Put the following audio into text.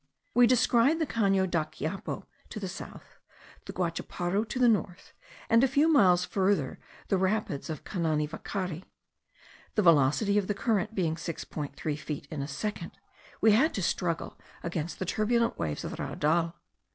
We descried the Cano Daquiapo to the south, the Guachaparu to the north, and a few miles further, the rapids of Cananivacari. The velocity of the current being 6.3 feet in a second, we had to struggle against the turbulent waves of the Raudal.